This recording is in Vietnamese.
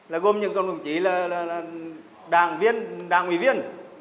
là gồm những con đồng chí là đảng viên đảng ủy viên